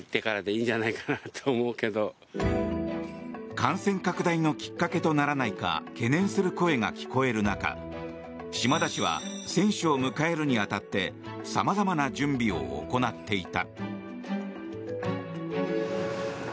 感染拡大のきっかけとならないか懸念する声が聞こえる中島田市は選手を迎えるに当たって様々な準備を行っていた。